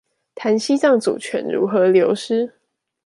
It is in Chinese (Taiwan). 談西藏主權如何流失